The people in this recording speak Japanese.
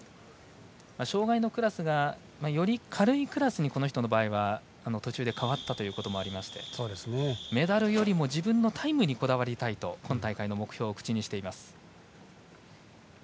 障がいのクラスがより軽いクラスにこの人の場合は途中で変わったということもありましてメダルよりも自分のタイムにこだわりたいと今大会の目標を口にしています。